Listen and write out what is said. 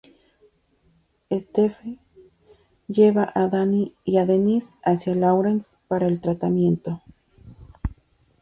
Stephen lleva a Danny y a Denise hacia Lawrence para el tratamiento.